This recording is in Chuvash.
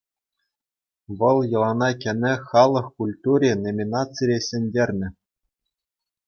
Вӑл «Йӑлана кӗнӗ халӑх культури» номинацире ҫӗнтернӗ.